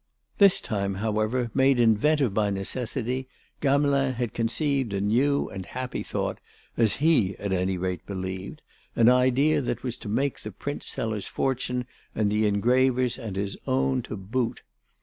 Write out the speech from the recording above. This time, however, made inventive by necessity, Gamelin had conceived a new and happy thought, as he at any rate believed, an idea that was to make the print seller's fortune, and the engraver's and his own to boot.